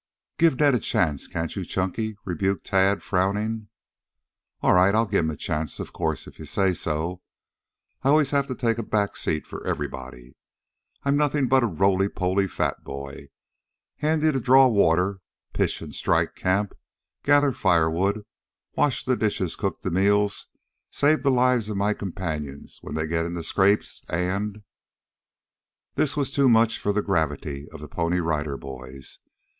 "Give Ned a chance, can't you, Chunky?" rebuked Tad, frowning. "All right, I'll give him a chance, of course, if you say so. I always have to take a back seat for everybody. I'm nothing but just a roly poly fat boy, handy to draw water, pitch and strike camp, gather firewood, wash the dishes, cook the meals, save the lives of my companions when they get into scrapes, and " This was too much for the gravity of the Pony Rider Boys.